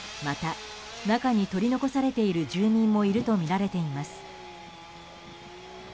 また中に取り残されている住民もいるとみられています。